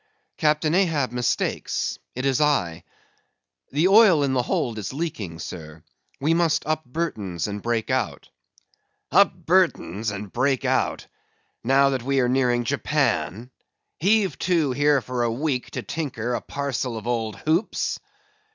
"Captain Ahab mistakes; it is I. The oil in the hold is leaking, sir. We must up Burtons and break out." "Up Burtons and break out? Now that we are nearing Japan; heave to here for a week to tinker a parcel of old hoops?"